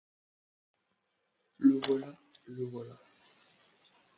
Le voilà... le voilà!